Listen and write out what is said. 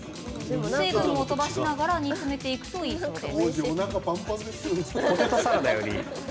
水分を飛ばしながら煮詰めていくといいそうです。